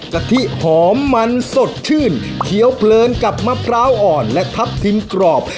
กะทิหอมมันสดชื่นเคี้ยวเพลินกับมะพร้าวอ่อนและทับทิมกรอบ